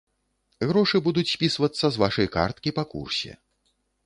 Грошы будуць спісвацца з вашай карткі па курсе.